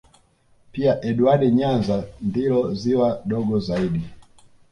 Pia Edward Nyanza ndilo ziwa dogo zaidi